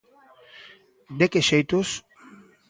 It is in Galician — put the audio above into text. De que xeitos?